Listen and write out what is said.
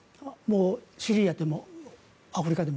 シリアでも、アフリカでも。